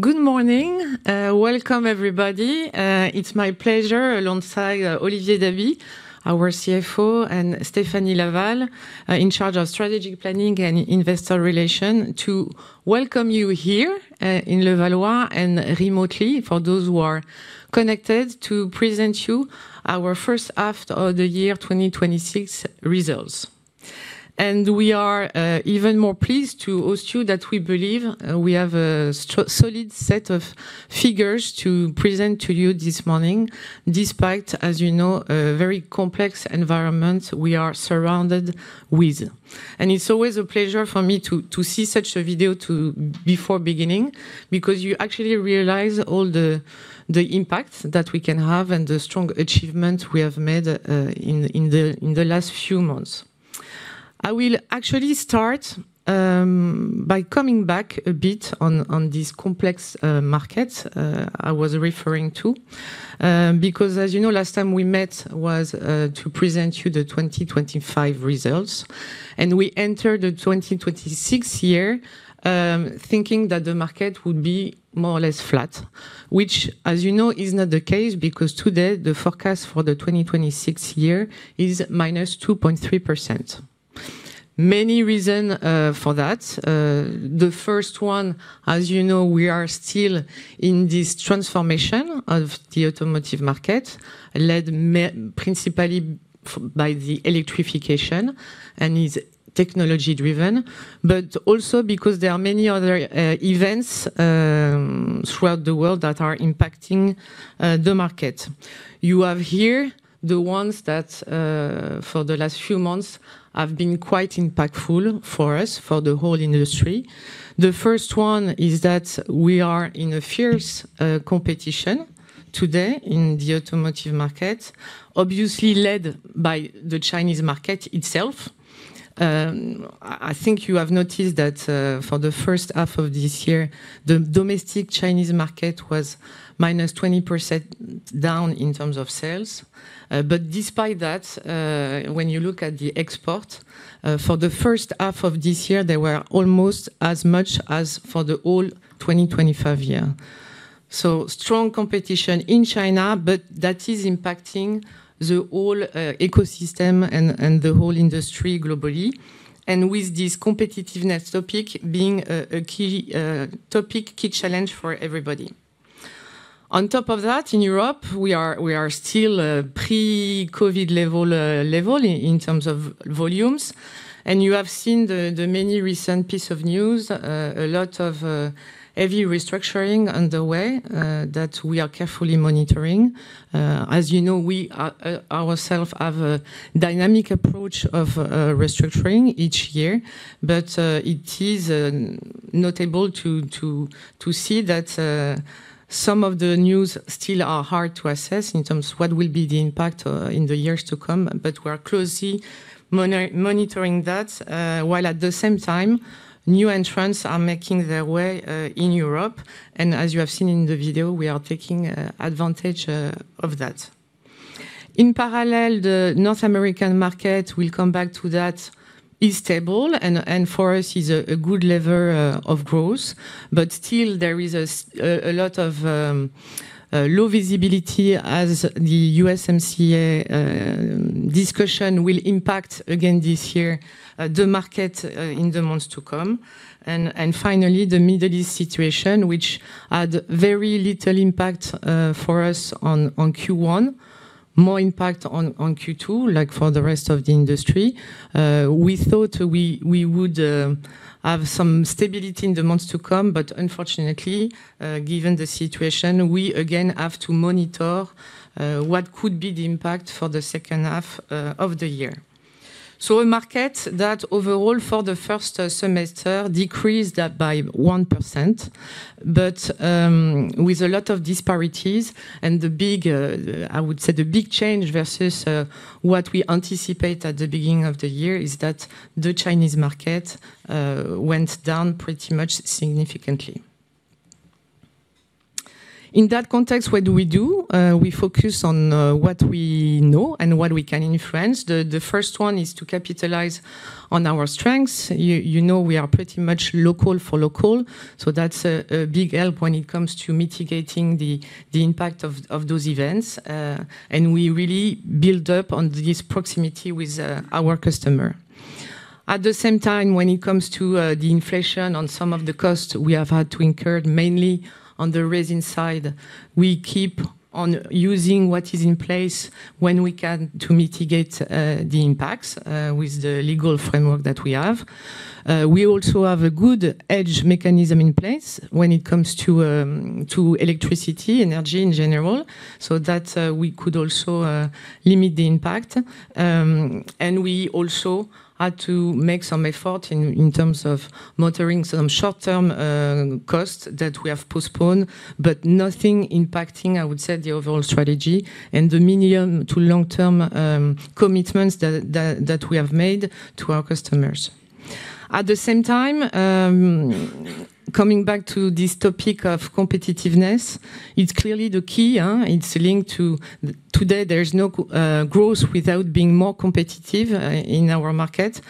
Good morning. Welcome everybody. It's my pleasure alongside Olivier Dabi, our CFO, and Stéphanie Laval, in charge of strategic planning and investor relations, to welcome you here in Levallois and remotely for those who are connected to present you our first half of the year 2026 results. We are even more pleased to host you that we believe we have a solid set of figures to present to you this morning, despite, as you know, a very complex environment we are surrounded with. It's always a pleasure for me to see such a video before beginning, because you actually realize all the impact that we can have and the strong achievement we have made in the last few months. I will actually start by coming back a bit on this complex market I was referring to. As you know, last time we met was to present you the 2025 results, and we entered the 2026 year, thinking that the market would be more or less flat. Which, as you know, is not the case because today, the forecast for the 2026 year is -2.3%. Many reasons for that. The first one, as you know, we are still in this transformation of the automotive market, led principally by the electrification and is technology-driven, but also because there are many other events throughout the world that are impacting the market. You have here the ones that for the last few months have been quite impactful for us, for the whole industry. The first one is that we are in a fierce competition today in the automotive market, obviously led by the Chinese market itself. I think you have noticed that for the first half of this year, the domestic Chinese market was -20% down in terms of sales. Despite that, when you look at the exports, for the first half of this year, they were almost as much as for the whole 2025 year. Strong competition in China, but that is impacting the whole ecosystem and the whole industry globally. With this competitiveness topic being a key topic, key challenge for everybody. On top of that, in Europe, we are still pre-COVID level in terms of volumes. You have seen the many recent pieces of news, a lot of heavy restructuring underway, that we are carefully monitoring. As you know, we ourselves have a dynamic approach of restructuring each year. It is notable to see that some of the news still are hard to assess in terms of what will be the impact in the years to come. We're closely monitoring that, while at the same time, new entrants are making their way in Europe. As you have seen in the video, we are taking advantage of that. In parallel, the North American market, we'll come back to that, is stable and for us is a good level of growth. Still there is a lot of low visibility as the USMCA discussion will impact again this year, the market in the months to come. Finally, the Middle East situation, which had very little impact for us on Q1, more impact on Q2, like for the rest of the industry. We thought we would have some stability in the months to come, but unfortunately, given the situation, we again have to monitor what could be the impact for the second half of the year. A market that overall for the first semester decreased by 1%, but with a lot of disparities. I would say, the big change versus what we anticipate at the beginning of the year is that the Chinese market went down pretty much significantly. In that context, what do we do? We focus on what we know and what we can influence. The first one is to capitalize on our strengths. You know we are pretty much local for local, so that's a big help when it comes to mitigating the impact of those events. We really build up on this proximity with our customer. At the same time, when it comes to the inflation on some of the costs we have had to incur, mainly on the resin side, we keep on using what is in place when we can to mitigate the impacts with the legal framework that we have. We also have a good hedge mechanism in place when it comes to electricity, energy in general, so that we could also limit the impact. We also had to make some effort in terms of monitoring some short-term costs that we have postponed, but nothing impacting, I would say, the overall strategy and the medium to long-term commitments that we have made to our customers. Coming back to this topic of competitiveness, it's clearly the key. It's linked to today, there is no growth without being more competitive in our market.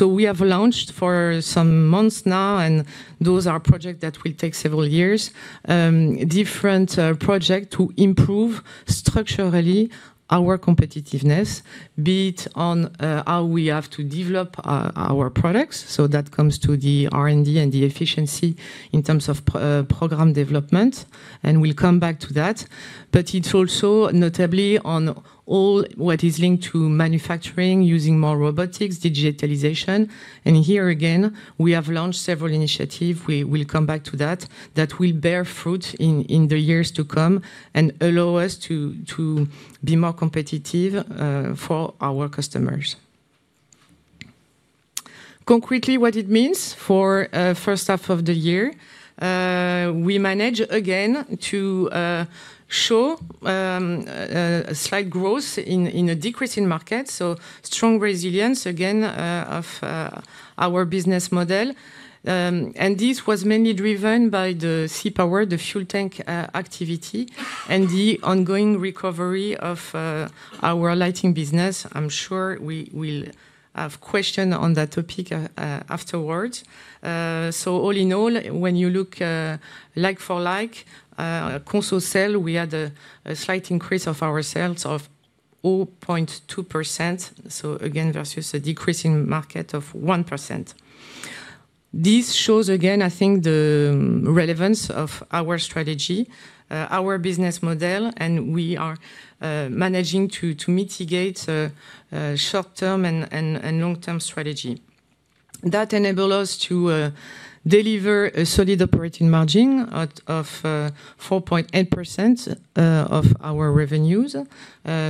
We have launched for some months now, and those are projects that will take several years, different projects to improve structurally our competitiveness, be it on how we have to develop our products. That comes to the R&D and the efficiency in terms of program development, and we'll come back to that. It's also notably on all what is linked to manufacturing using more robotics, digitalization. Here again, we have launched several initiatives, we will come back to that will bear fruit in the years to come and allow us to be more competitive for our customers. Concretely, what it means for first half of the year, we managed again to show a slight growth in a decreasing market. Strong resilience again of our business model. This was mainly driven by the C-Power, the fuel tank activity, and the ongoing recovery of our Lighting business. I'm sure we will have question on that topic afterwards. All in all, when you look like-for-like consolidated sales, we had a slight increase of our sales of 0.2%. Again, versus a decreasing market of 1%. This shows again, I think the relevance of our strategy, our business model, and we are managing to mitigate short-term and long-term strategy. That enable us to deliver a solid operating margin of 4.8% of our revenues,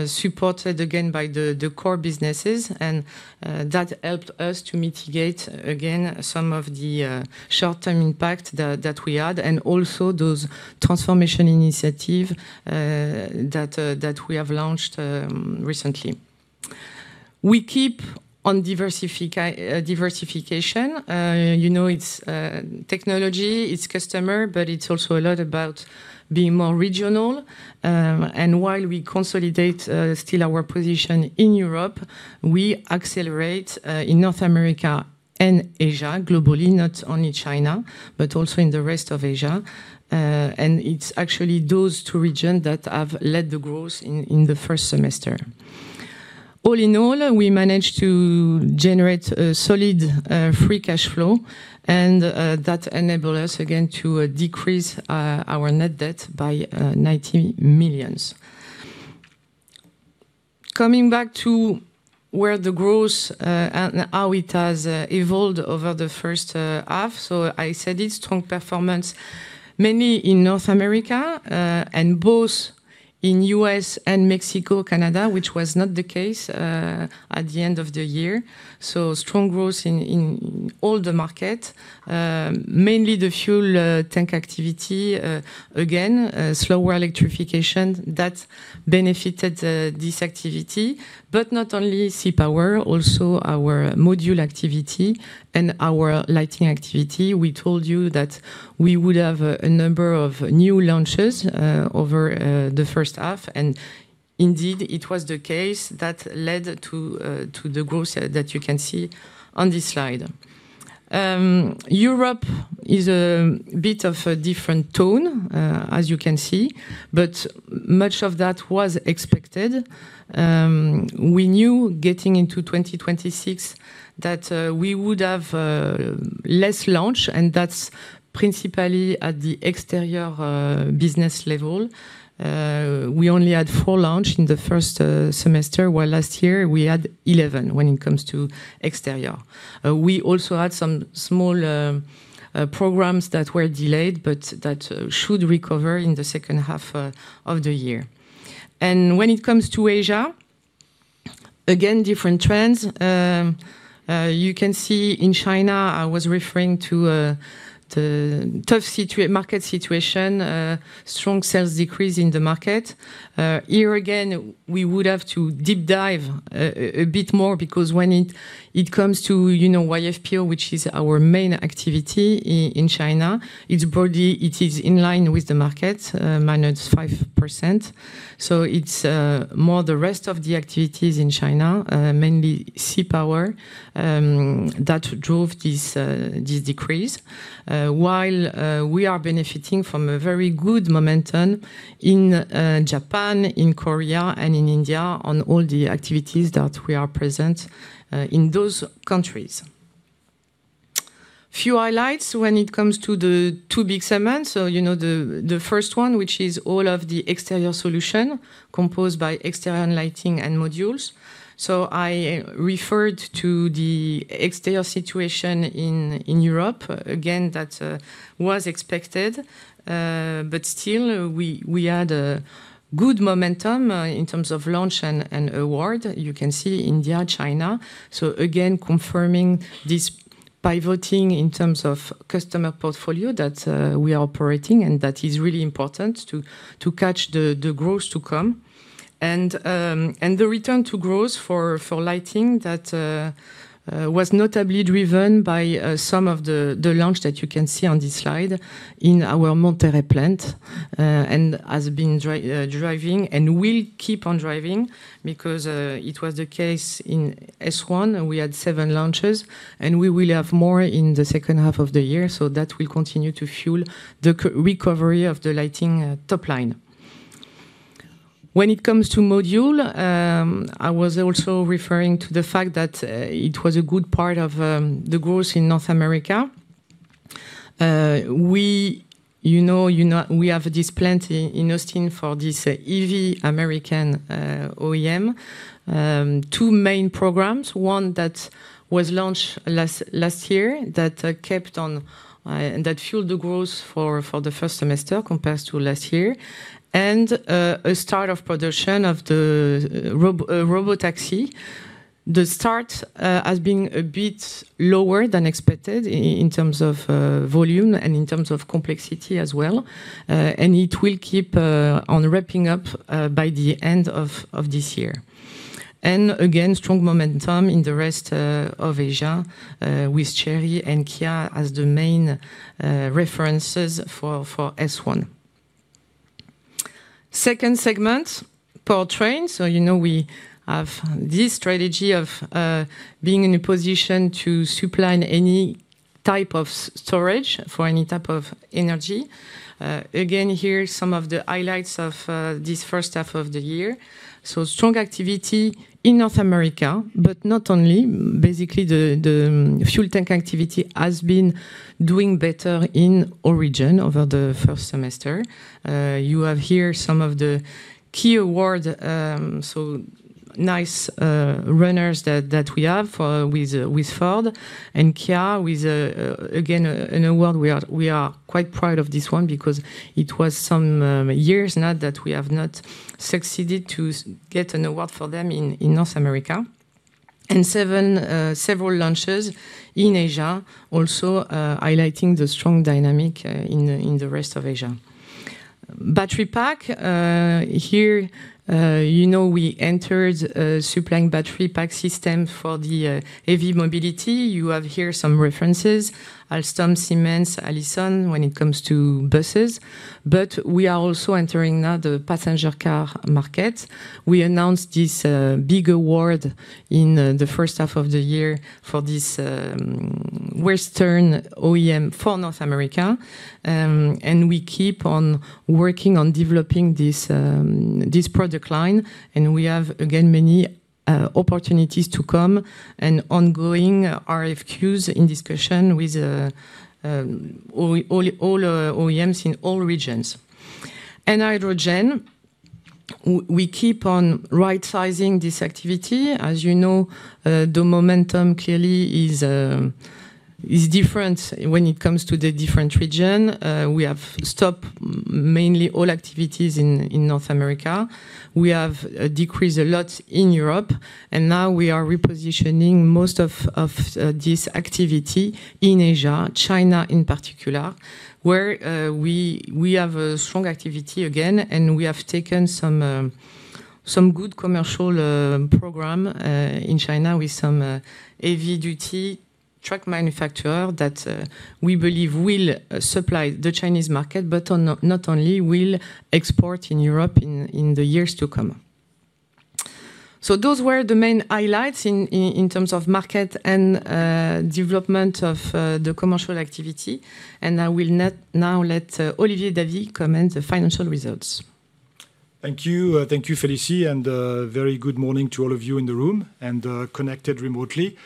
supported again by the core businesses, and that helped us to mitigate again some of the short-term impact that we had and also those transformation initiative that we have launched recently. We keep on diversification. You know it's technology, it's customer, it's also a lot about being more regional. While we consolidate still our position in Europe, we accelerate in North America and Asia globally, not only China, but also in the rest of Asia. It's actually those two region that have led the growth in the first semester. All in all, we managed to generate a solid free cash flow, and that enable us again to decrease our net debt by 90 million. Coming back to where the growth and how it has evolved over the first half. I said it's strong performance, mainly in North America, both in U.S. and Mexico, Canada, which was not the case at the end of the year. Strong growth in all the market. Mainly the fuel tank activity, again, slower electrification, that benefited this activity. Not only C-Power, also our Modules activity and our Lighting activity. We told you that we would have a number of new launches over the first half, and indeed, it was the case that led to the growth that you can see on this slide. Europe is a bit of a different tone, as you can see, but much of that was expected. We knew getting into 2026 that we would have less launch, and that's principally at the Exterior business level. We only had four launch in the first semester, while last year we had 11 when it comes to Exterior. We also had some small programs that were delayed, but that should recover in the second half of the year. When it comes to Asia, again, different trends. You can see in China, I was referring to tough market situation, strong sales decrease in the market. Here again, we would have to deep dive a bit more because when it comes to YFPO, which is our main activity in China, it's broadly, it is in line with the market, -5%. It's more the rest of the activities in China, mainly C-Power, that drove this decrease. While we are benefiting from a very good momentum in Japan, in Korea, and in India on all the activities that we are present in those countries. Few highlights when it comes to the two big segments. The first one, which is all of the Exterior Solution composed by Exterior Lighting and Modules. I referred to the exterior situation in Europe. Again, that was expected. Still, we had a good momentum in terms of launch and award. You can see India, China. Again, confirming this pivoting in terms of customer portfolio that we are operating and that is really important to catch the growth to come. The return to growth for Lighting that was notably driven by some of the launch that you can see on this slide in our Monterrey plant, and has been driving and will keep on driving because it was the case in S1 and we had seven launches, and we will have more in the second half of the year. That will continue to fuel the recovery of the Lighting top-line. When it comes to Modules, I was also referring to the fact that it was a good part of the growth in North America. We have this plant in Austin for this EV American OEM. Two main programs, one that was launched last year that fueled the growth for the first semester compared to last year, and a start of production of the robotaxi. The start has been a bit lower than expected in terms of volume and in terms of complexity as well. It will keep on ramping-up by the end of this year. Again, strong momentum in the rest of Asia with Chery and Kia as the main references for S1. Second segment, Powertrain. You know we have this strategy of being in a position to supply any type of storage for any type of energy. Here some of the highlights of this first half of the year. Strong activity in North America, but not only. Basically, the fuel tank activity has been doing better in origin over the first semester. You have here some of the key awards, so nice winners that we have with Ford and Kia, again, an award. We are quite proud of this one because it was some years now that we have not succeeded to get an award for them in North America. Several launches in Asia also highlighting the strong dynamic in the rest of Asia. Battery pack. Here, you know we entered supplying battery pack system for the EV mobility. You have here some references, Alstom, Siemens, Allison, when it comes to buses. We are also entering now the passenger car market. We announced this big award in the first half of the year for this Western OEM for North America. We keep on working on developing this product line, and we have, again, many opportunities to come and ongoing RFQs in discussion with all OEMs in all regions. Hydrogen. We keep on right-sizing this activity. As you know, the momentum clearly is different when it comes to the different region. We have stopped mainly all activities in North America. We have decreased a lot in Europe, now we are repositioning most of this activity in Asia, China in particular, where we have a strong activity again, we have taken some good commercial program in China with some heavy duty truck manufacturer that we believe will supply the Chinese market, but not only, will export in Europe in the years to come. Those were the main highlights in terms of market and development of the commercial activity. I will now let Olivier Dabi comment the financial results. Thank you. Thank you, Félicie, a very good morning to all of you in the room and connected remotely.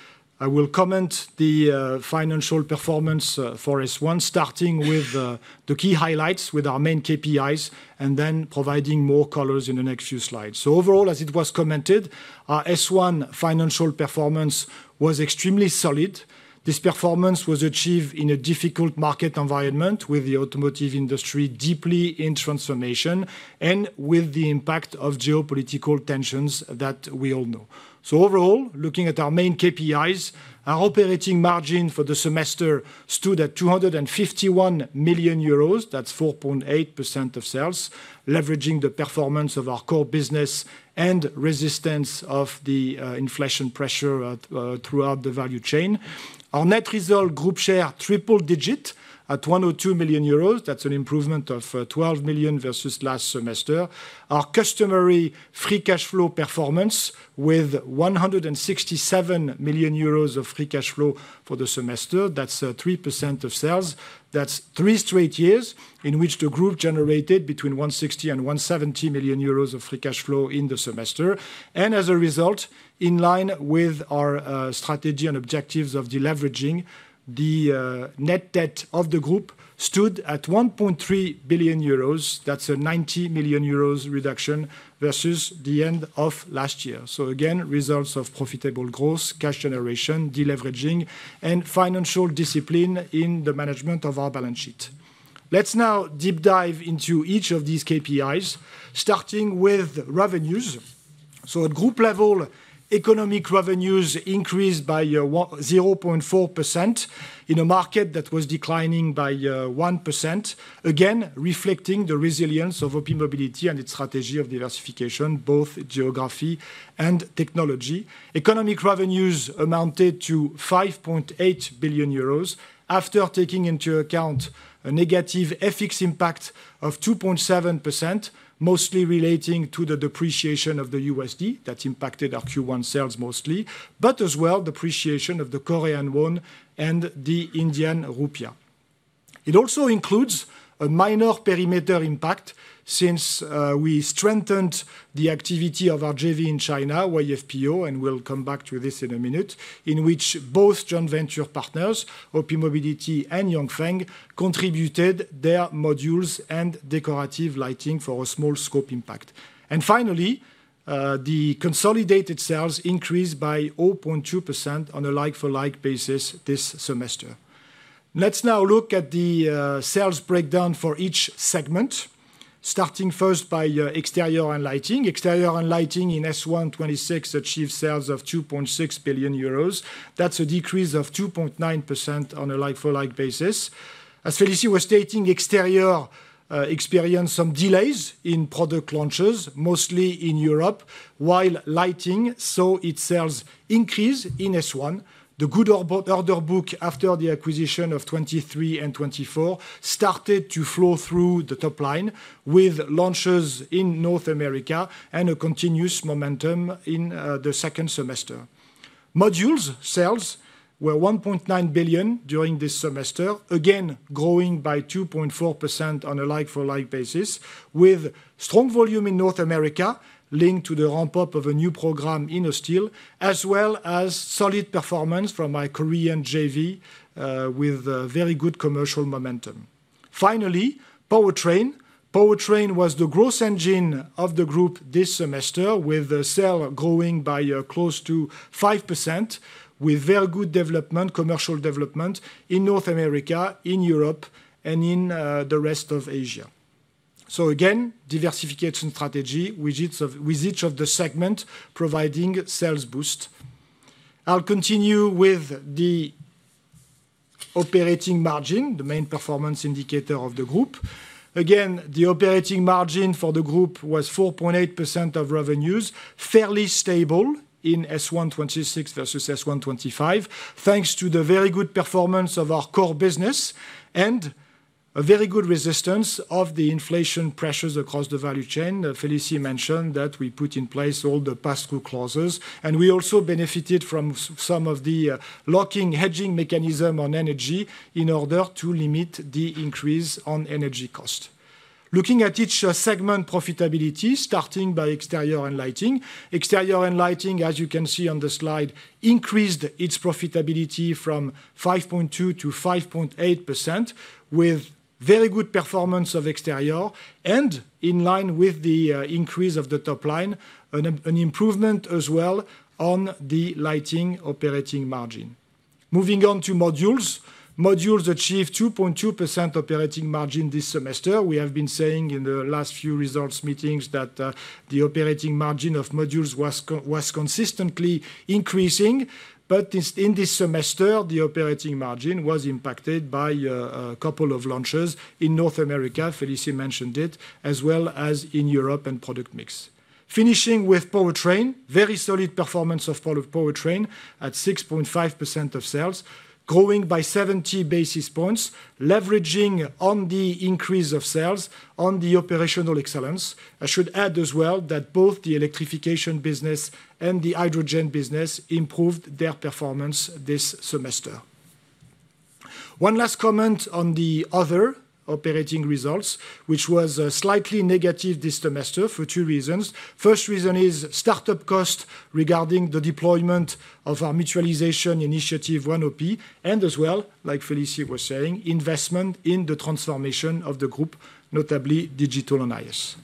I will comment the financial performance for S1, starting with the key highlights with our main KPIs, then providing more colors in the next few slides. Overall, as it was commented, our S1 financial performance was extremely solid. This performance was achieved in a difficult market environment, with the automotive industry deeply in transformation and with the impact of geopolitical tensions that we all know. Overall, looking at our main KPIs, our operating margin for the semester stood at 251 million euros. That's 4.8% of sales, leveraging the performance of our core business and resistance of the inflation pressure throughout the value chain. Our net result group share triple digit at 102 million euros. That's an improvement of 12 million versus last semester. Our customary free cash flow performance with 167 million euros of free cash flow for the semester, that's 3% of sales. That's three straight years in which the group generated between 160 million and 170 million euros of free cash flow in the semester. As a result, in line with our strategy and objectives of deleveraging, the net debt of the group stood at 1.3 billion euros. That's a 90 million euros reduction versus the end of last year. Again, results of profitable growth, cash generation, deleveraging, and financial discipline in the management of our balance sheet. Let's now deep dive into each of these KPIs, starting with revenues. At group level, economic revenues increased by 0.4% in a market that was declining by 1%, again, reflecting the resilience of OPmobility and its strategy of diversification, both geography and technology. Economic revenues amounted to 5.8 billion euros after taking into account a negative FX impact of 2.7%, mostly relating to the depreciation of the USD that impacted our Q1 sales mostly, but as well, depreciation of the Korean won and the Indian rupee. It also includes a minor perimeter impact since we strengthened the activity of our JV in China, YFPO, and we'll come back to this in a minute, in which both joint venture partners, OPmobility and Yanfeng, contributed their Modules and decorative Lighting for a small scope impact. Finally, the consolidated sales increased by 0.2% on a like-for-like basis this semester. Let's now look at the sales breakdown for each segment, starting first by Exterior & Lighting. Exterior & Lighting in S1 2026 achieved sales of 2.6 billion euros. That's a decrease of 2.9% on a like-for-like basis. As Félicie was stating, Exterior experienced some delays in product launches, mostly in Europe, while Lighting saw its sales increase in S1. The good order book after the acquisition of 2023 and 2024 started to flow through the top-line with launches in North America and a continuous momentum in the second semester. Modules sales were 1.9 billion during this semester, again growing by 2.4% on a like-for-like basis, with strong volume in North America linked to the ramp-up of a new program in Austin, as well as solid performance from our Korean JV with very good commercial momentum. Finally, Powertrain. Powertrain was the growth engine of the group this semester with the sale growing by close to 5% with very good commercial development in North America, in Europe, and in the rest of Asia. Again, diversification strategy with each of the segment providing sales boost. I'll continue with the operating margin, the main performance indicator of the group. Again, the operating margin for the group was 4.8% of revenues, fairly stable in S1 2026 versus S1 2025, thanks to the very good performance of our core business and a very good resistance of the inflation pressures across the value chain. Félicie mentioned that we put in place all the pass-through clauses. We also benefited from some of the locking hedging mechanism on energy in order to limit the increase on energy cost. Looking at each segment profitability, starting by Exterior & Lighting. Exterior & Lighting, as you can see on the slide, increased its profitability from 5.2%-5.8% with very good performance of Exterior and in line with the increase of the top-line, an improvement as well on the Lighting operating margin. Moving on to Modules. Modules achieved 2.2% operating margin this semester. We have been saying in the last few results meetings that the operating margin of Modules was consistently increasing. In this semester, the operating margin was impacted by a couple of launches in North America, Félicie mentioned it, as well as in Europe and product mix. Finishing with Powertrain, very solid performance of Powertrain at 6.5% of sales, growing by 70 basis points, leveraging on the increase of sales on the operational excellence. I should add as well that both the electrification business and the hydrogen business improved their performance this semester. One last comment on the other operating results, which was slightly negative this semester for two reasons. First reason is startup cost regarding the deployment of our mutualization initiative, One-OP, and as well, like Félicie was saying, investment in the transformation of the group, notably digital and IS.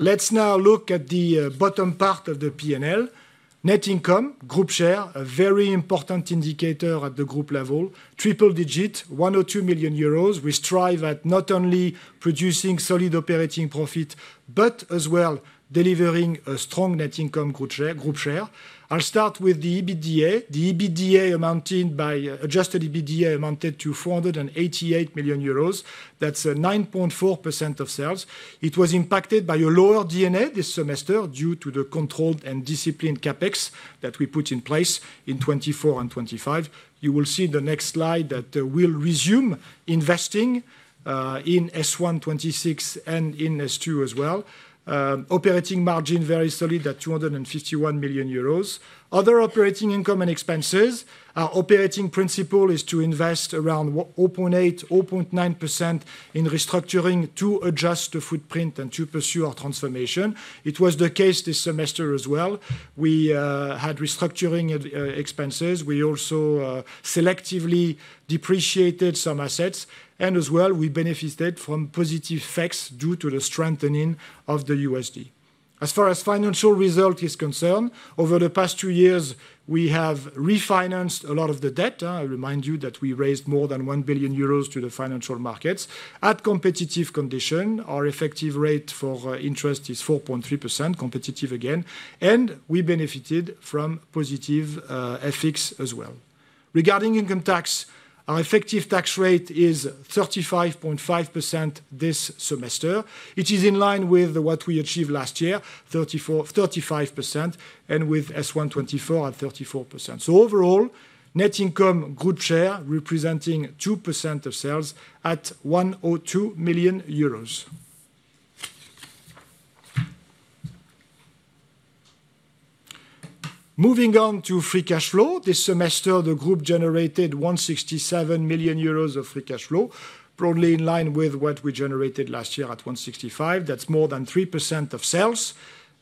Let's is now look at the bottom part of the P&L. Net income, group share, a very important indicator at the group level. Triple-digit, 102 million euros. We strive at not only producing solid operating profit, but as well delivering a strong net income group share. I'll start with the EBITDA. The adjusted EBITDA amounted to 488 million euros. That's 9.4% of sales. It was impacted by a lower D&A this semester due to the controlled and disciplined CapEx that we put in place in 2024 and 2025. You will see in the next slide that we'll resume investing in S1 2026 and in S2 as well. Operating margin very solid at 251 million euros. Other operating income and expenses. Our operating principle is to invest around 0.8%-0.9% in restructuring to adjust the footprint and to pursue our transformation. It was the case this semester as well. We had restructuring expenses. We also selectively depreciated some assets, and as well, we benefited from positive effects due to the strengthening of the USD. As far as financial result is concerned, over the past two years we have refinanced a lot of the debt. I remind you that we raised more than 1 billion euros to the financial markets at competitive condition. Our effective rate for interest is 4.3%, competitive again, and we benefited from positive effects as well. Regarding income tax, our effective tax rate is 35.5% this semester. It is in line with what we achieved last year, 35%, and with S1 2024 at 34%. Overall, net income group share representing 2% of sales at 102 million euros. Moving on to free cash flow. This semester, the group generated 167 million euros of free cash flow, broadly in line with what we generated last year at 165 million. That's more than 3% of sales.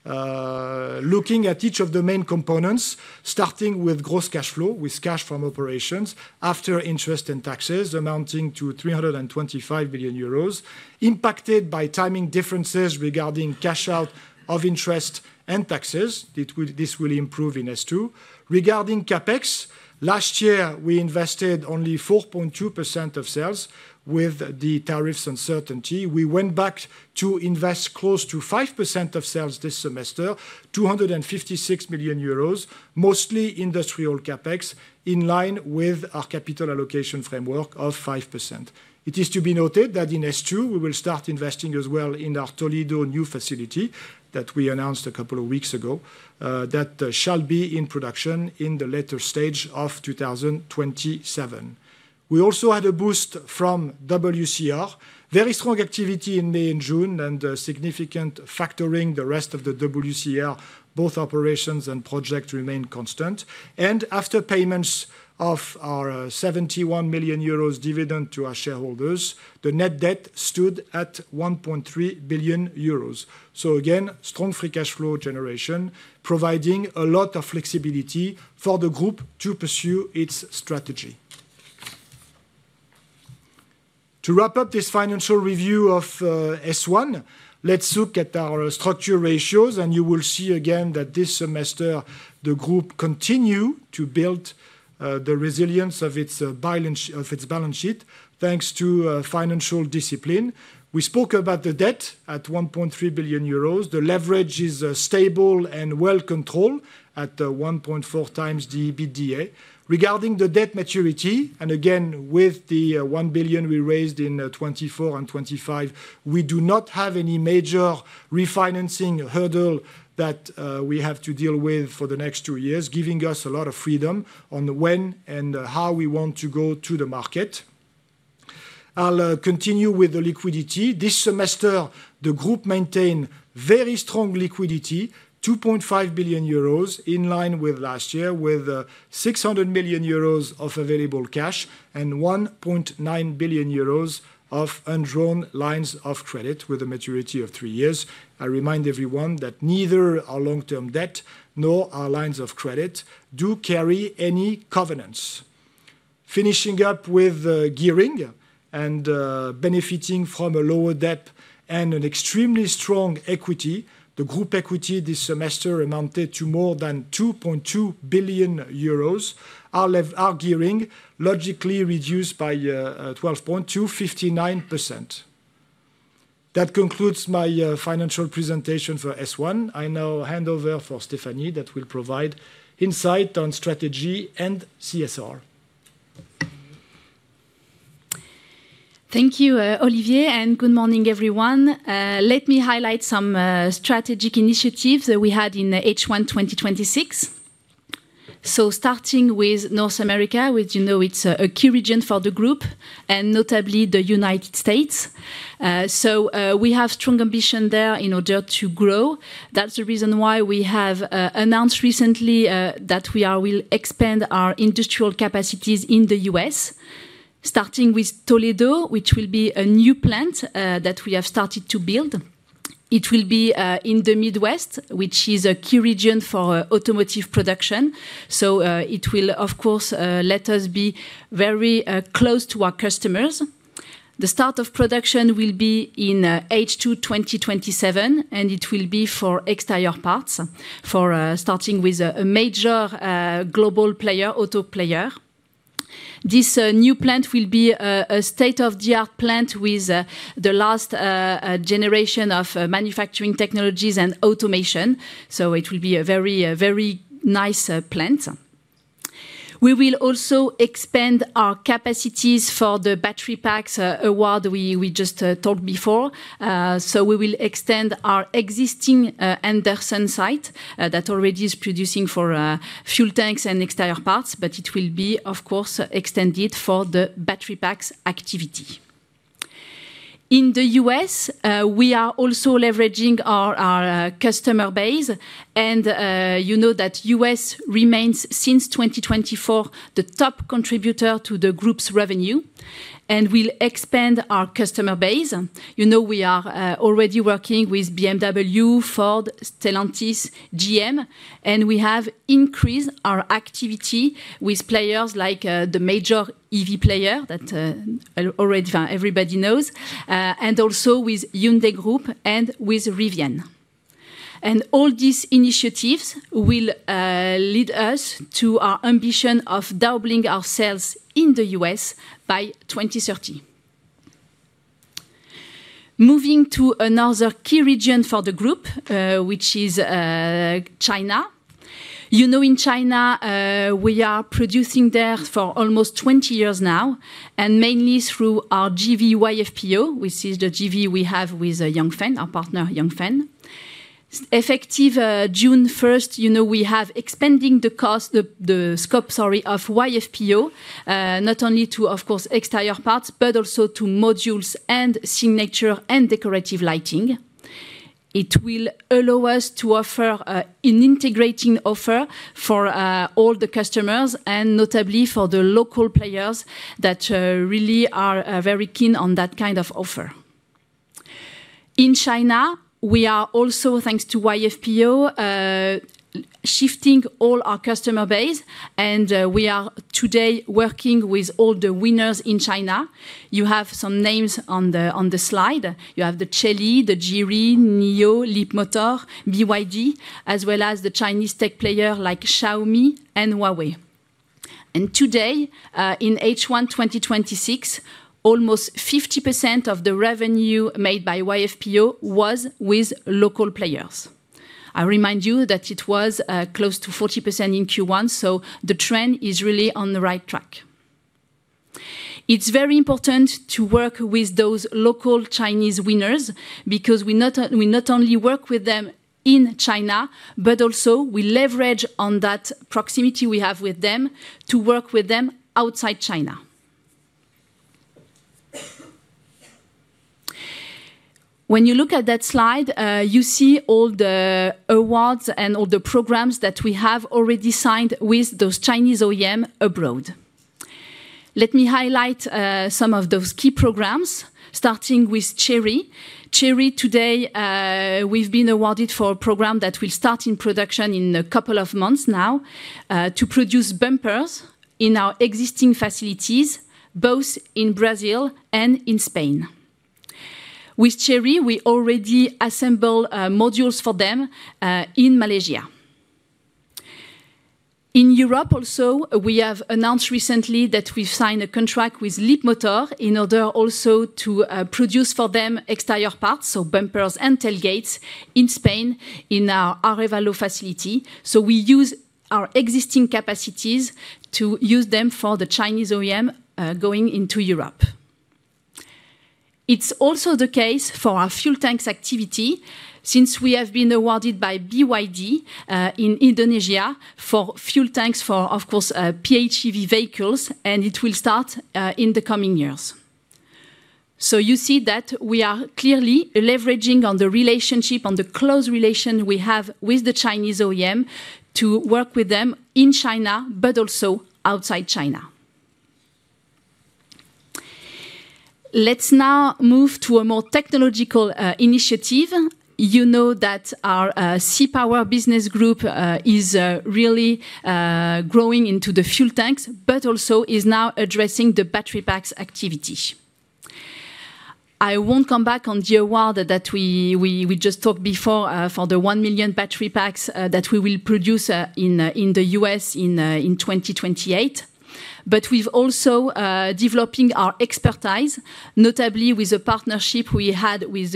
Looking at each of the main components, starting with gross cash flow, with cash from operations after interest and taxes amounting to 325 million euros impacted by timing differences regarding cash out of interest and taxes. This will improve in S2. Regarding CapEx, last year we invested only 4.2% of sales with the tariffs uncertainty. We went back to invest close to 5% of sales this semester, 256 million euros, mostly industrial CapEx, in line with our capital allocation framework of 5%. It is to be noted that in S2, we will start investing as well in our Toledo new facility that we announced a couple of weeks ago. That shall be in production in the later stage of 2027. We also had a boost from WCR. Very strong activity in May and June and a significant factoring the rest of the WCR. Both operations and projects remain constant. After payments of our 71 million euros dividend to our shareholders, the net debt stood at 1.3 billion euros. Again, strong free cash flow generation, providing a lot of flexibility for the group to pursue its strategy. To wrap up this financial review of S1, let's look at our structure ratios, and you will see again that this semester the group continue to build the resilience of its balance sheet thanks to financial discipline. We spoke about the debt at 1.3 billion euros. The leverage is stable and well controlled at 1.4x the EBITDA. Regarding the debt maturity, and again, with the 1 billion we raised in 2024 and 2025, we do not have any major refinancing hurdle that we have to deal with for the next two years, giving us a lot of freedom on when and how we want to go to the market. I'll continue with the liquidity. This semester, the group maintained very strong liquidity, 2.5 billion euros, in line with last year, with 600 million euros of available cash and 1.9 billion euros of undrawn lines of credit with a maturity of three years. I remind everyone that neither our long-term debt nor our lines of credit do carry any covenants. Finishing up with gearing and benefiting from a lower debt and an extremely strong equity, the group equity this semester amounted to more than 2.2 billion euros. Our gearing logically reduced by 12.2% to 59%. That concludes my financial presentation for S1. I now hand over for Stéphanie that will provide insight on strategy and CSR. Thank you, Olivier, and good morning everyone. Let me highlight some strategic initiatives that we had in H1 2026. Starting with North America, which you know it's a key region for the group and notably the United States. We have strong ambition there in order to grow. That's the reason why we have announced recently that we will expand our industrial capacities in the U.S., starting with Toledo, which will be a new plant that we have started to build. It will be in the Midwest, which is a key region for automotive production. It will, of course, let us be very close to our customers. The start of production will be in H2 2027, and it will be for exterior parts, starting with a major global auto player. This new plant will be a state-of-the-art plant with the last generation of manufacturing technologies and automation. It will be a very nice plant. We will also expand our capacities for the battery packs award we just talked before. We will extend our existing Anderson site that already is producing for fuel tanks and exterior parts, but it will be, of course, extended for the battery packs activity. In the U.S., we are also leveraging our customer base and you know that U.S. remains, since 2024, the top contributor to the group's revenue. We'll expand our customer base. You know we are already working with BMW, Ford, Stellantis, GM, and we have increased our activity with players like the major EV player that already everybody knows, and also with Hyundai Group and with Rivian. All these initiatives will lead us to our ambition of doubling our sales in the U.S. by 2030. Moving to another key region for the group, which is China. You know, in China, we are producing there for almost 20 years now. Mainly through our JV, YFPO, which is the JV we have with Yanfeng, our partner Yanfeng. Effective June 1st, we have expanding the scope of YFPO, not only to, of course, exterior parts, but also to modules and signature and decorative lighting. It will allow us to offer an integrating offer for all the customers and notably for the local players that really are very keen on that kind of offer. In China, we are also, thanks to YFPO, shifting all our customer base. We are today working with all the winners in China. You have some names on the slide. You have the Chery, the Geely, NIO, Leapmotor, BYD, as well as the Chinese tech player like Xiaomi and Huawei. Today, in H1 2026, almost 50% of the revenue made by YFPO was with local players. I remind you that it was close to 40% in Q1, the trend is really on the right track. It's very important to work with those local Chinese winners because we not only work with them in China, but also we leverage on that proximity we have with them to work with them outside China. When you look at that slide, you see all the awards and all the programs that we have already signed with those Chinese OEM abroad. Let me highlight some of those key programs, starting with Chery. Chery today, we've been awarded for a program that will start in production in a couple of months now to produce bumpers in our existing facilities, both in Brazil and in Spain. With Chery, we already assemble modules for them in Malaysia. In Europe also, we have announced recently that we've signed a contract with Leapmotor in order also to produce for them exterior parts, so bumpers and tailgates in Spain in our Arévalo facility. We use our existing capacities to use them for the Chinese OEM going into Europe. It's also the case for our fuel tanks activity, since we have been awarded by BYD in Indonesia for fuel tanks for, of course, PHEV vehicles. It will start in the coming years. You see that we are clearly leveraging on the relationship, on the close relation we have with the Chinese OEM to work with them in China, but also outside China. Let's now move to a more technological initiative. You know that our C-Power business group is really growing into the fuel tanks, but also is now addressing the battery packs activity. I won't come back on the award that we just talked before for the 1 million battery packs that we will produce in the U.S. in 2028. But we have also developing our expertise, notably with a partnership we have with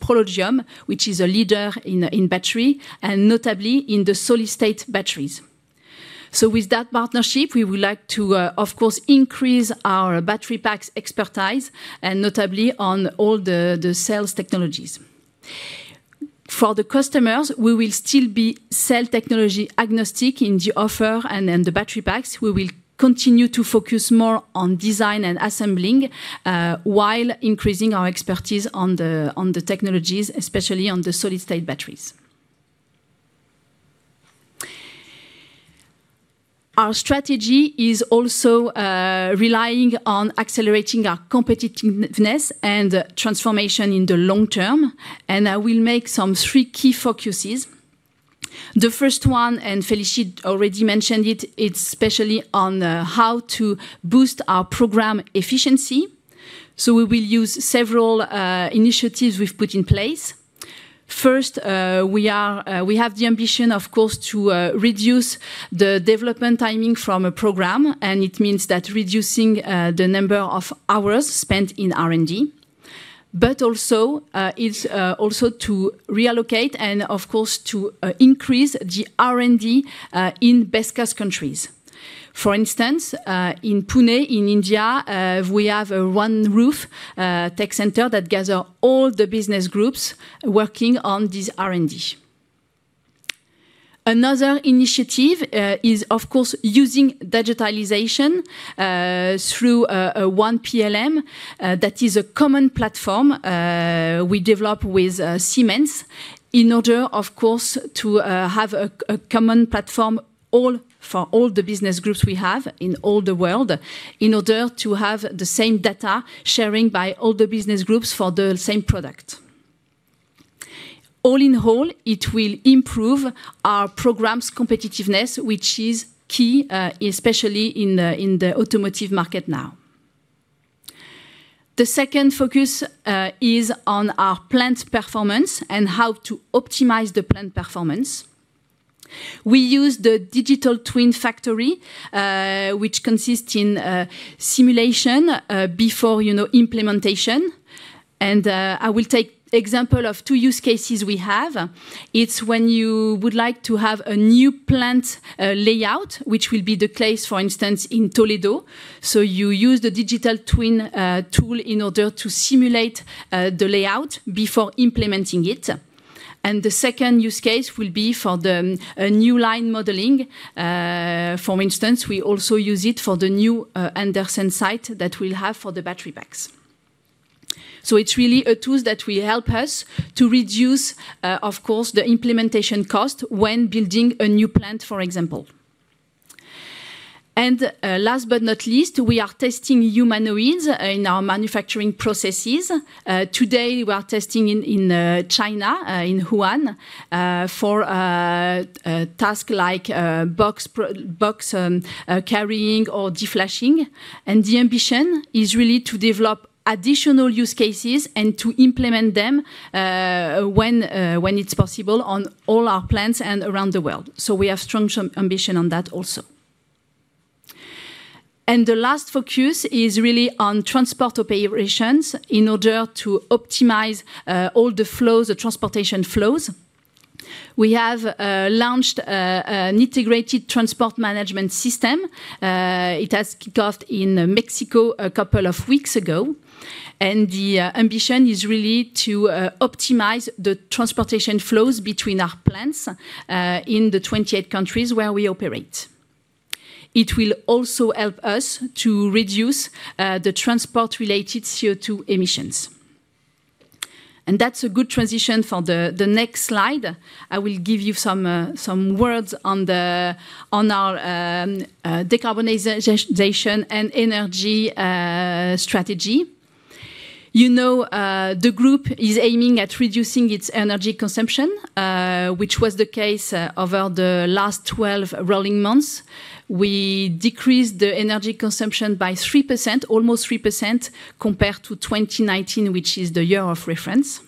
ProLogium, which is a leader in battery, and notably in the solid-state batteries. With that partnership, we would like to, of course, increase our battery packs expertise, and notably on all the cells technologies. For the customers, we will still be cell technology agnostic in the offer and in the battery packs. We will continue to focus more on design and assembling while increasing our expertise on the technologies, especially on the solid-state batteries. Our strategy is also relying on accelerating our competitiveness and transformation in the long term, and I will make three key focuses. The first one, Félicie already mentioned it is especially on how to boost our program efficiency. We will use several initiatives we have put in place. First, we have the ambition, of course, to reduce the development timing from a program, and it means that reducing the number of hours spent in R&D, but also it is also to reallocate and, of course, to increase the R&D in best-cost countries. For instance, in Pune, in India, we have a one-roof tech center that gather all the business groups working on this R&D. Another initiative is, of course, using digitalization through OnePLM. That is a common platform we develop with Siemens in order, of course, to have a common platform for all the business groups we have in all the world in order to have the same data sharing by all the business groups for the same product. All in all, it will improve our program's competitiveness, which is key, especially in the automotive market now. The second focus is on our plant performance and how to optimize the plant performance. We use the digital twin factory, which consists in a simulation before implementation. I will take example of two use cases we have. It is when you would like to have a new plant layout, which will be the case, for instance, in Toledo. You use the digital twin tool in order to simulate the layout before implementing it. The second use case will be for the new line modeling. For instance, we also use it for the new Anderson site that we will have for the battery packs. It is really a tool that will help us to reduce, of course, the implementation cost when building a new plant, for example. Last but not least, we are testing humanoids in our manufacturing processes. Today we are testing in China, in Wuhan, for task like box carrying or deflashing. The ambition is really to develop additional use cases and to implement them, when it is possible, on all our plants and around the world. We have strong ambition on that also. The last focus is really on transport operations in order to optimize all the transportation flows. We have launched an integrated transport management system. It has kicked off in Mexico a couple of weeks ago. The ambition is really to optimize the transportation flows between our plants in the 28 countries where we operate. It will also help us to reduce the transport-related CO2 emissions. That's a good transition for the next slide. I will give you some words on our decarbonization and energy strategy. You know, the group is aiming at reducing its energy consumption, which was the case over the last 12 rolling months. We decreased the energy consumption by 3%, almost 3%, compared to 2019, which is the year of reference.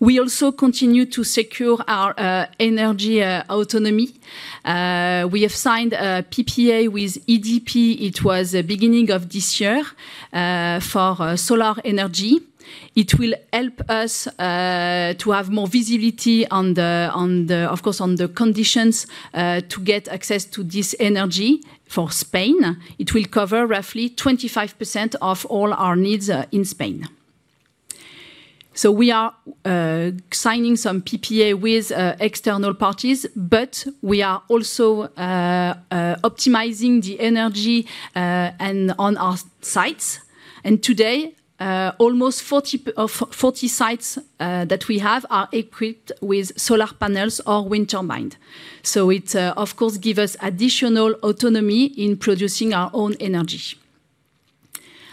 We also continue to secure our energy autonomy. We have signed a PPA with EDP, it was the beginning of this year, for solar energy. It will help us to have more visibility, of course, on the conditions to get access to this energy for Spain. It will cover roughly 25% of all our needs in Spain. We are signing some PPA with external parties, but we are also optimizing the energy on our sites. Today, almost 40 sites that we have are equipped with solar panels or wind turbine. It, of course, gives us additional autonomy in producing our own energy.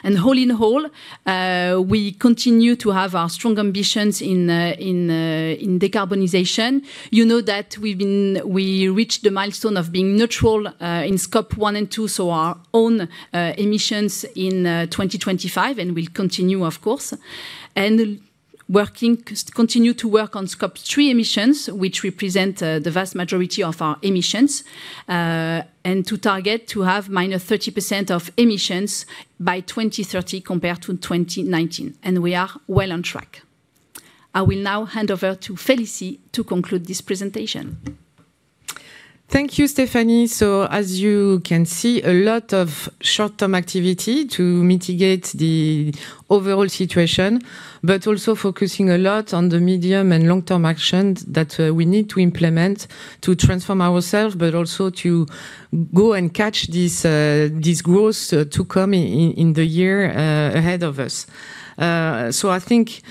All in all, we continue to have our strong ambitions in decarbonization. You know that we reached the milestone of being neutral in Scope 1 and 2, so our own emissions in 2025, and will continue, of course. We continue to work on Scope 3 emissions, which represent the vast majority of our emissions, and to target to have -30% of emissions by 2030 compared to 2019, and we are well on track. I will now hand over to Félicie to conclude this presentation. Thank you, Stéphanie. As you can see, a lot of short-term activity to mitigate the overall situation, but also focusing a lot on the medium- and long-term actions that we need to implement to transform ourselves, but also to go and catch this growth to come in the year ahead of us. So I think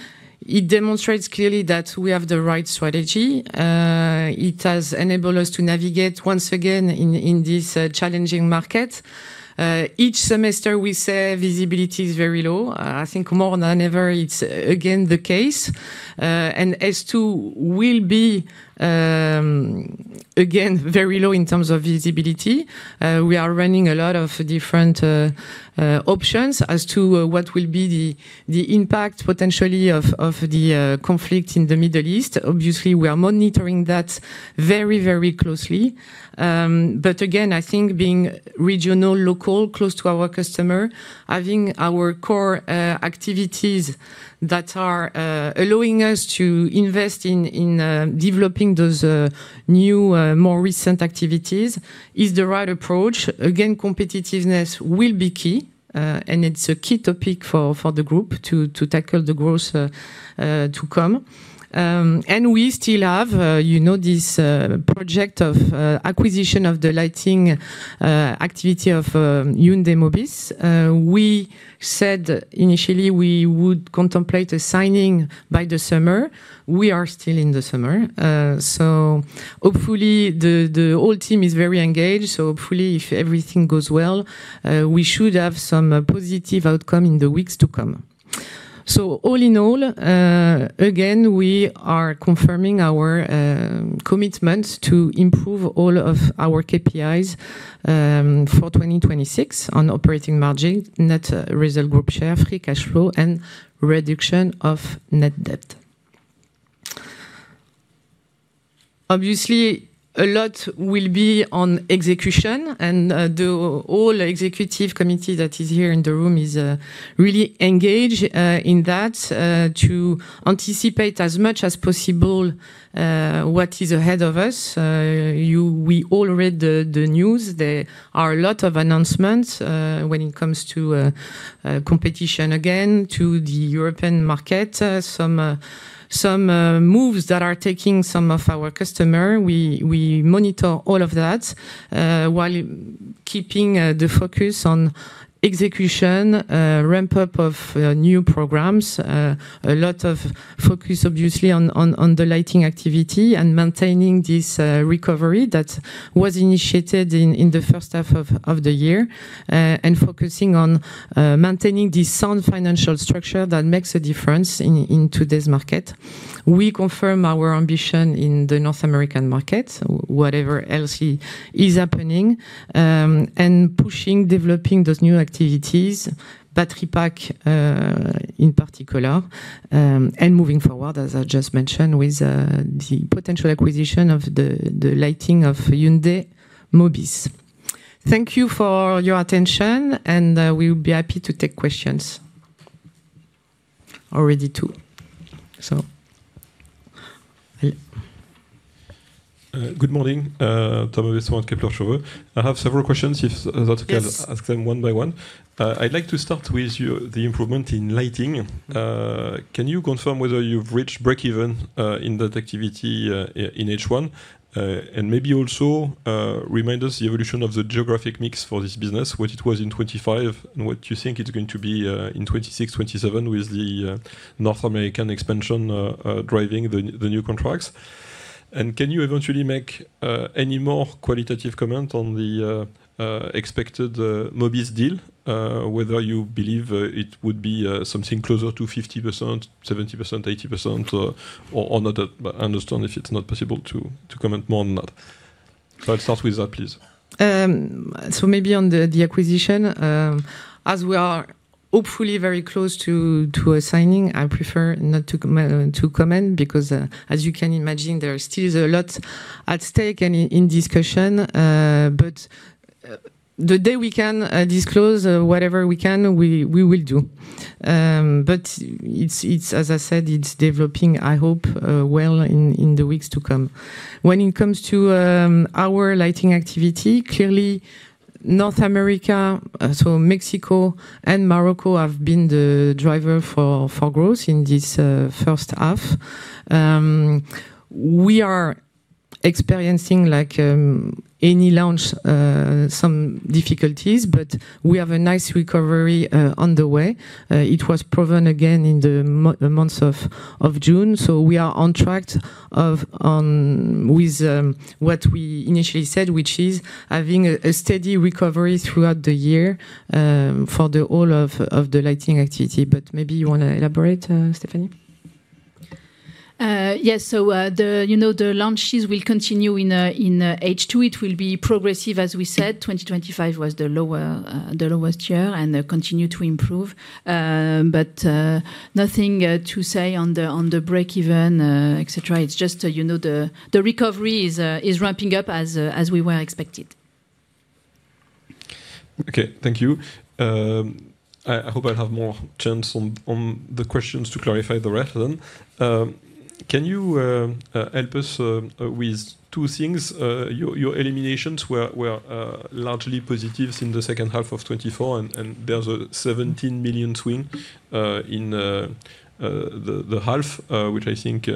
it demonstrates clearly that we have the right strategy. It has enabled us to navigate once again in this challenging market. Each semester, we say visibility is very low. I think more than ever, it's again the case. As to will be, again, very low in terms of visibility. We are running a lot of different options as to what will be the impact potentially of the conflict in the Middle East. Obviously, we are monitoring that very closely. Again, I think being regional, local, close to our customer, having our core activities that are allowing us to invest in developing those new, more recent activities is the right approach. Again, competitiveness will be key, and it's a key topic for the group to tackle the growth to come. We still have this project of acquisition of the lighting activity of Hyundai Mobis. We said initially we would contemplate a signing by the summer. We are still in the summer. The whole team is very engaged, so hopefully, if everything goes well, we should have some positive outcome in the weeks to come. All in all, again, we are confirming our commitment to improve all of our KPIs for 2026 on operating margin, net result group share, free cash flow, and reduction of net debt. Obviously, a lot will be on execution, and the whole executive committee that is here in the room is really engaged in that to anticipate as much as possible what is ahead of us. We all read the news. There are a lot of announcements when it comes to competition, again, to the European market, some moves that are taking some of our customer, we monitor all of that, while keeping the focus on execution, ramp-up of new programs, a lot of focus, obviously, on the Lighting activity and maintaining this recovery that was initiated in the first half of the year, and focusing on maintaining the sound financial structure that makes a difference in today's market. We confirm our ambition in the North American market, whatever else is happening, and pushing, developing those new activities, battery pack, in particular, and moving forward, as I just mentioned, with the potential acquisition of the Lighting of Hyundai Mobis. Thank you for your attention, and we will be happy to take questions. Already two. Hi. Good morning. Thomas for Kepler Cheuvreux. I have several questions. Yes You can ask them one by one. I'd like to start with the improvement in Lighting. Can you confirm whether you've reached breakeven in that activity in H1? Maybe also remind us the evolution of the geographic mix for this business, what it was in 2025, and what you think it's going to be in 2026-2027 with the North American expansion driving the new contracts. Can you eventually make any more qualitative comment on the expected Mobis deal, whether you believe it would be something closer to 50%, 70%, 80%? I understand if it's not possible to comment more on that. I'll start with that, please. Maybe on the acquisition. As we are hopefully very close to a signing, I prefer not to comment because, as you can imagine, there still is a lot at stake and in discussion. The day we can disclose whatever we can, we will do. As I said, it's developing, I hope, well in the weeks to come. When it comes to our Lighting activity, clearly North America, so Mexico and Morocco, have been the driver for growth in this first half. We are experiencing, like any launch, some difficulties, but we have a nice recovery on the way. It was proven again in the month of June. We are on track with what we initially said, which is having a steady recovery throughout the year for the whole of the Lighting activity. Maybe you want to elaborate, Stéphanie? Yes. The launches will continue in H2. It will be progressive, as we said, 2025 was the lowest year, and they continue to improve. Nothing to say on the breakeven, et cetera. It's just the recovery is ramping-up as we well expected. Okay. Thank you. I hope I'll have more chance on the questions to clarify the rest then. Can you help us with two things? Your eliminations were largely positives in the second half of 2024, and there's a 17 million swing in the half, which I think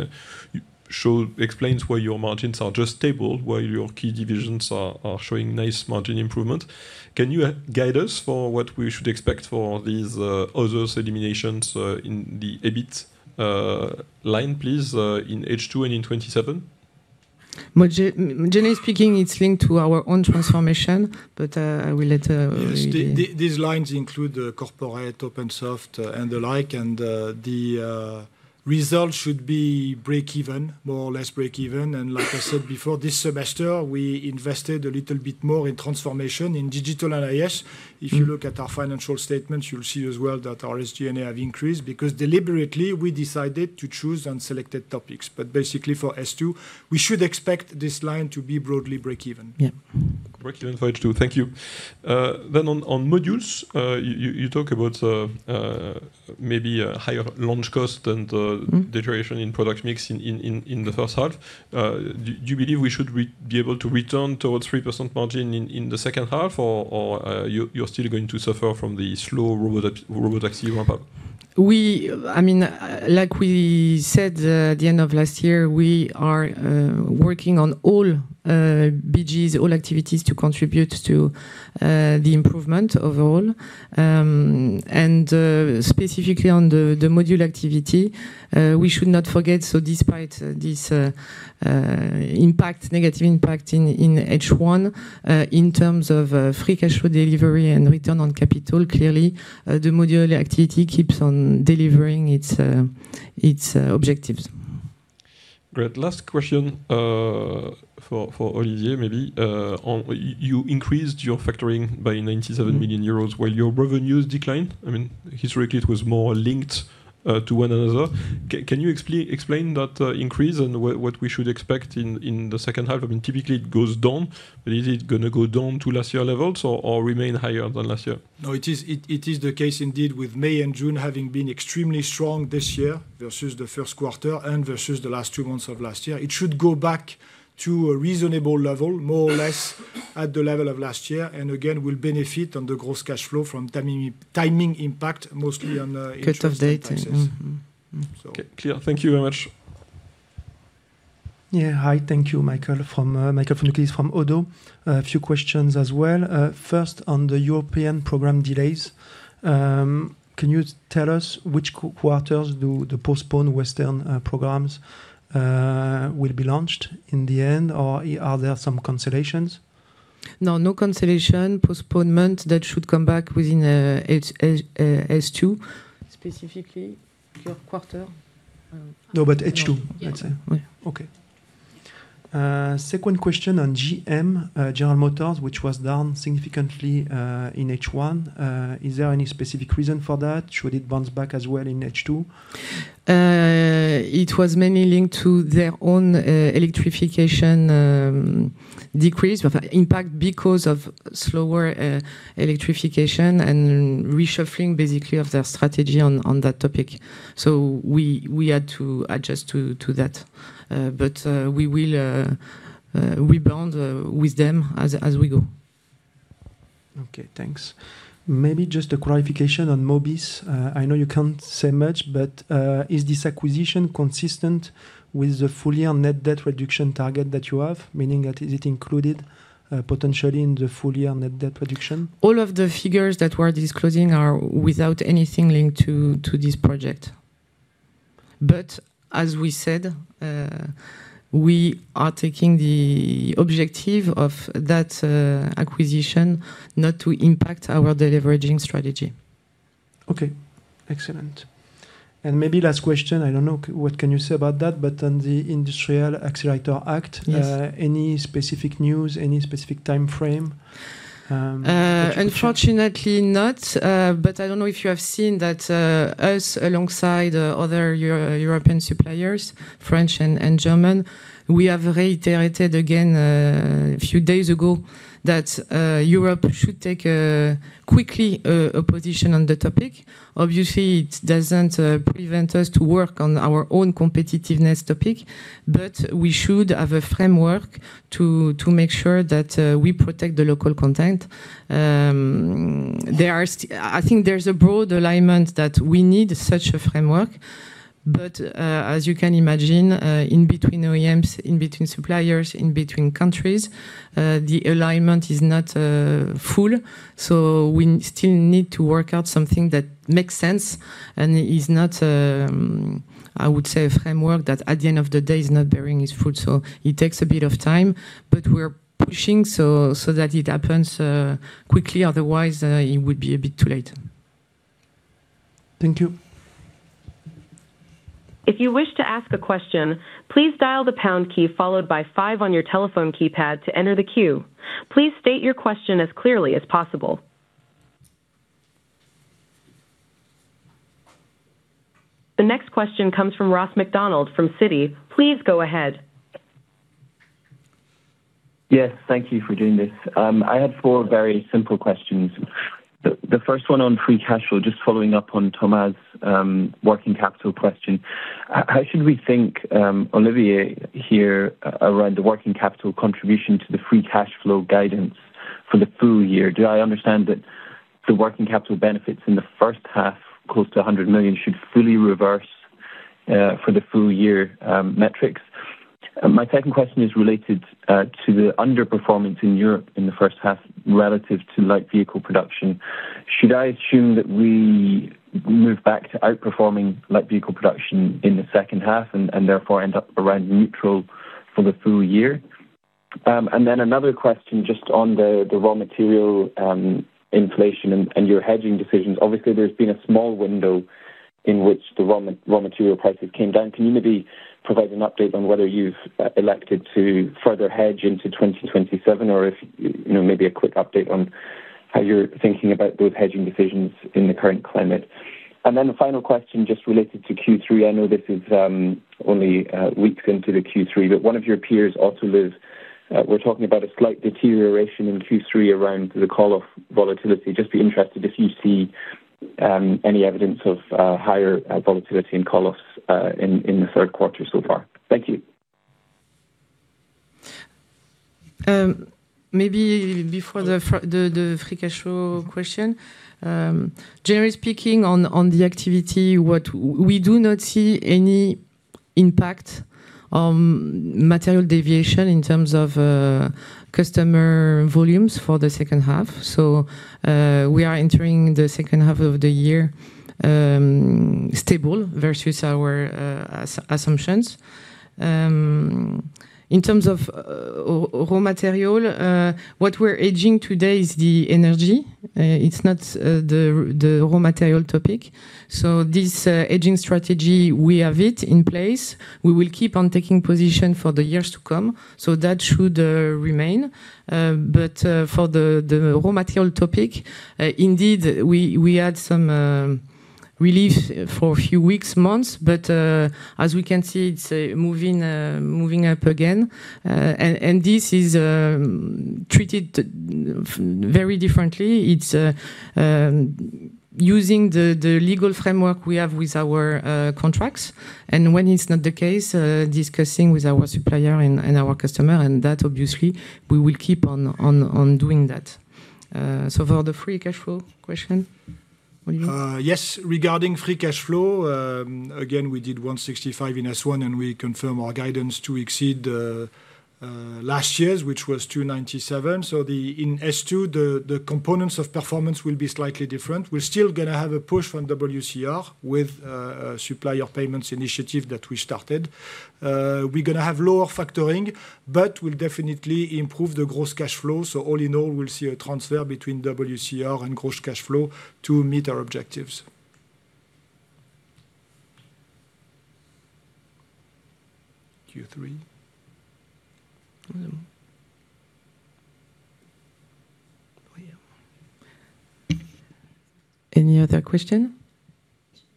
explains why your margins are just stable while your key divisions are showing nice margin improvement. Can you guide us for what we should expect for these others eliminations in the EBIT line, please, in H2 and in 2027? Generally speaking, it's linked to our own transformation. Yes. These lines include the corporate, OP'nSoft and the like, the result should be break even, more or less break even. Like I said before, this semester, we invested a little bit more in transformation in digital and IS. If you look at our financial statements, you'll see as well that our SGA have increased because deliberately, we decided to choose on selected topics. Basically, for S2, we should expect this line to be broadly breakeven. Yeah. Breakeven for H2. Thank you. On Modules, you talk about maybe a higher launch cost than the deterioration in product mix in the first half. Do you believe we should be able to return towards 3% margin in the second half, or you're still going to suffer from the slow robotaxi ramp-up? Like we said at the end of last year, we are working on all BGs, all activities to contribute to the improvement overall. Specifically on the module activity, we should not forget, so despite this negative impact in H1, in terms of free cash flow delivery and return on capital, clearly, the module activity keeps on delivering its objectives. Great. Last question for Olivier, maybe. You increased your factoring by 97 million euros while your revenues declined. Historically, it was more linked to one another. Can you explain that increase and what we should expect in the second half? Typically, it goes down, but is it going to go down to last year levels or remain higher than last year? No, it is the case indeed with May and June having been extremely strong this year versus the first quarter and versus the last two months of last year. It should go back to a reasonable level, more or less at the level of last year, and again, will benefit on the gross cash flow from timing impact, mostly on interest rates. Cut-off date. Okay, clear. Thank you very much. Yeah. Hi. Thank you, Michael Foundoukidis from ODDO. A few questions as well. First, on the European program delays, can you tell us which quarters do the postponed Western programs will be launched in the end? Or are there some cancellations? No cancellation. Postponement that should come back within H2. Specifically, third quarter. H2, let's say. Yeah. Second question on GM, General Motors, which was down significantly in H1. Is there any specific reason for that? Should it bounce back as well in H2? It was mainly linked to their own electrification decrease of impact because of slower electrification and reshuffling, basically, of their strategy on that topic. We had to adjust to that. We will rebound with them as we go. Okay, thanks. Maybe just a clarification on Mobis. I know you cannot say much, but is this acquisition consistent with the full-year net debt reduction target that you have? Meaning that is it included potentially in the full-year net debt reduction? All of the figures that we are disclosing are without anything linked to this project. As we said, we are taking the objective of that acquisition not to impact our deleveraging strategy. Okay, excellent. Maybe last question, I do not know what can you say about that, but on the Industrial Accelerator Act. Yes Any specific news, any specific timeframe? Unfortunately not. I don't know if you have seen that us, alongside other European suppliers, French and German, we have reiterated again a few days ago that Europe should take quickly a position on the topic. Obviously, it doesn't prevent us to work on our own competitiveness topic, but we should have a framework to make sure that we protect the local content. I think there's a broad alignment that we need such a framework. As you can imagine, in between OEMs, in between suppliers, in between countries, the alignment is not full. We still need to work out something that makes sense and is not, I would say, a framework that at the end of the day is not bearing its fruit. It takes a bit of time, but we're pushing so that it happens quickly, otherwise it would be a bit too late. Thank you. If you wish to ask a question, please dial the pound key followed by five on your telephone keypad to enter the queue. Please state your question as clearly as possible. The next question comes from Ross MacDonald from Citi. Please go ahead. Yes, thank you for doing this. I had four very simple questions. The first one on free cash flow, just following up on Thomas' working capital question. How should we think, Olivier, here around the working capital contribution to the free cash flow guidance for the full-year? Do I understand that the working capital benefits in the first half, close to 100 million, should fully reverse for the full-year metrics? My second question is related to the underperformance in Europe in the first half relative to light vehicle production. Should I assume that we move back to outperforming light vehicle production in the second half and therefore end up around neutral for the full-year? Another question just on the raw material inflation and your hedging decisions. Obviously, there's been a small window in which the raw material prices came down. Can you maybe provide an update on whether you have elected to further hedge into 2027? Or if maybe a quick update on how you are thinking about those hedging decisions in the current climate. Then the final question, just related to Q3. I know this is only weeks into the Q3, but one of your peers, Autoliv, were talking about a slight deterioration in Q3 around the call-offs volatility. Just be interested if you see any evidence of higher volatility in call-offs in the third quarter so far. Thank you. Maybe before the free cash flow question. Generally speaking, on the activity, we do not see any impact on material deviation in terms of customer volumes for the second half. We are entering the second half of the year stable versus our assumptions. In terms of raw material, what we are hedging today is the energy. It is not the raw material topic. This hedging strategy, we have it in place. We will keep on taking position for the years to come. That should remain. But for the raw material topic, indeed, we had some relief for a few weeks, months, but as we can see, it is moving up again. This is treated very differently. It is using the legal framework we have with our contracts, and when it is not the case, discussing with our supplier and our customer, and obviously, we will keep on doing that. For the free cash flow question, Olivier? Yes. Regarding free cash flow, again, we did 165 million in S1, and we confirm our guidance to exceed last year's, which was 297 million. So in S2, the components of performance will be slightly different. We are still going to have a push from WCR with supplier payments initiative that we started. We are going to have lower factoring, but we will definitely improve the gross cash flow. All in all, we will see a transfer between WCR and gross cash flow to meet our objectives. Q3. Any other question?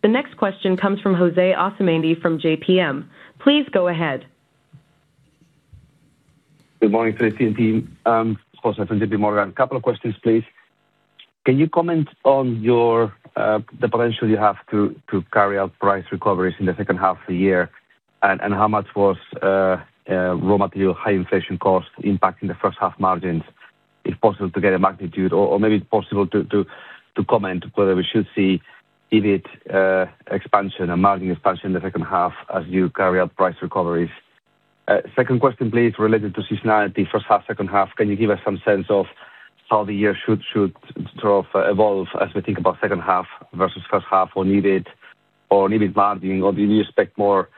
The next question comes from José Asumendi from JPMorgan. Please go ahead. Good morning to the team. José from JPMorgan. A couple of questions, please. Can you comment on the potential you have to carry out price recoveries in the second half of the year, and how much was raw material high inflation cost impacting the first half margins? If possible, to get a magnitude or maybe it is possible to comment whether we should see EBIT expansion and margin expansion in the second half as you carry out price recoveries. Second question, please, related to seasonality, first half, second half, can you give us some sense of how the year should evolve as we think about second half versus first half or EBIT margin? Do you expect more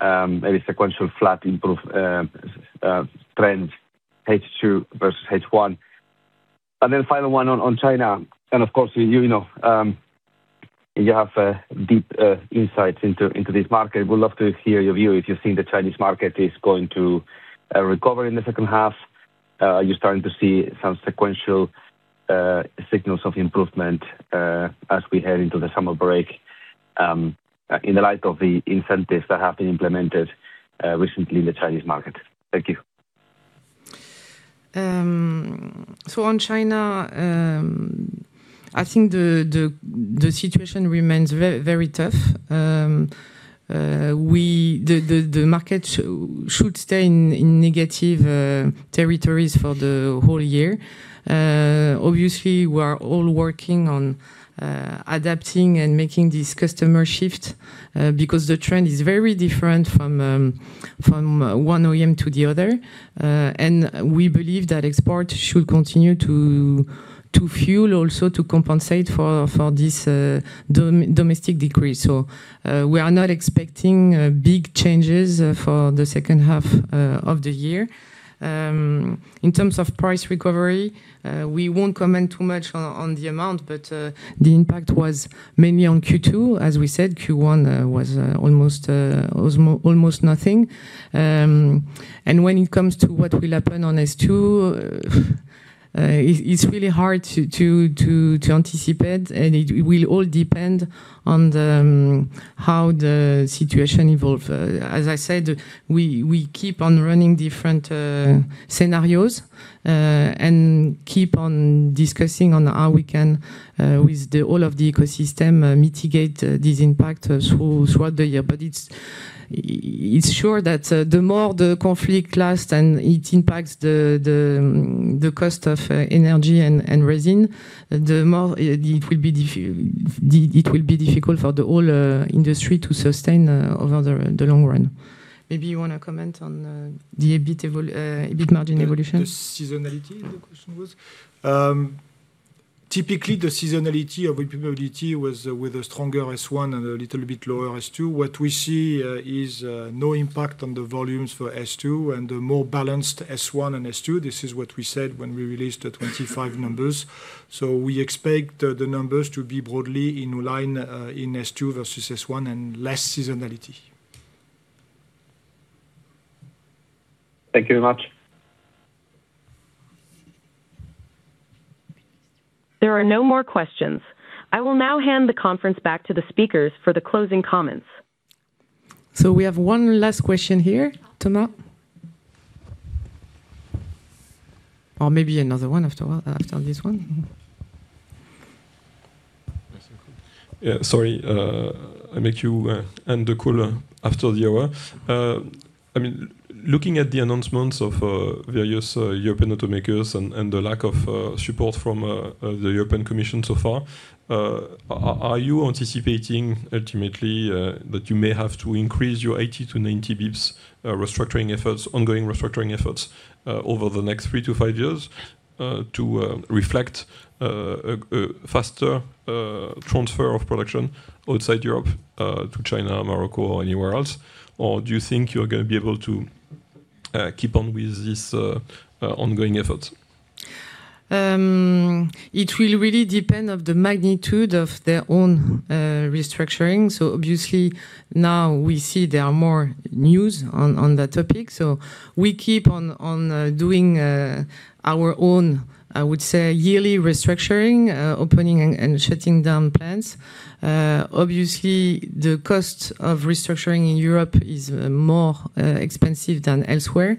maybe sequential flat improved trend H2 versus H1? Then final one on China. Of course, you have deep insights into this market. Would love to hear your view if you think the Chinese market is going to recover in the second half. Are you starting to see some sequential signals of improvement as we head into the summer break in the light of the incentives that have been implemented recently in the Chinese market? Thank you. On China, I think the situation remains very tough. The market should stay in negative territories for the whole year. Obviously, we are all working on adapting and making this customer shift because the trend is very different from one OEM to the other. We believe that export should continue to fuel also to compensate for this domestic decrease. We are not expecting big changes for the second half of the year. In terms of price recovery, we won't comment too much on the amount, but the impact was mainly on Q2. As we said, Q1 was almost nothing. When it comes to what will happen on S2, it's really hard to anticipate, and it will all depend on how the situation evolves. As I said, we keep on running different scenarios, keep on discussing on how we can, with all of the ecosystem, mitigate this impact throughout the year. It's sure that the more the conflict lasts and it impacts the cost of energy and resin, the more it will be difficult for the whole industry to sustain over the long run. Maybe you want to comment on the EBIT margin evolution? The seasonality, the question was? Typically, the seasonality of OPmobility was with a stronger S1 and a little bit lower S2. What we see is no impact on the volumes for S2 and a more balanced S1 and S2. This is what we said when we released the 2025 numbers. We expect the numbers to be broadly in line in S2 versus S1 and less seasonality. Thank you very much. There are no more questions. I will now hand the conference back to the speakers for the closing comments. We have one last question here, Thomas. Maybe another one after this one. Sorry, I make you end the call after the hour. Looking at the announcements of various European automakers and the lack of support from the European Commission so far, are you anticipating ultimately that you may have to increase your 80 basis points to 90 basis points restructuring efforts, ongoing restructuring efforts, over the next three to five years to reflect a faster transfer of production outside Europe to China, Morocco, or anywhere else? Do you think you're going to be able to keep on with these ongoing efforts? It will really depend on the magnitude of their own restructuring. Obviously, now we see there are more news on that topic. We keep on doing our own, I would say, yearly restructuring, opening and shutting down plants. Obviously, the cost of restructuring in Europe is more expensive than elsewhere.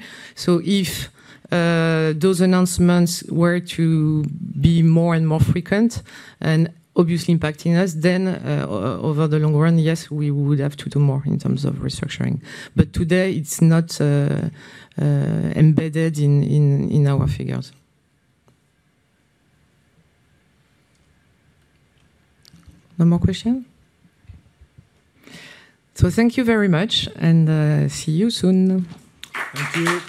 If those announcements were to be more and more frequent and obviously impacting us, then over the long run, yes, we would have to do more in terms of restructuring. Today it's not embedded in our figures. No more question? Thank you very much, and see you soon. Thank you.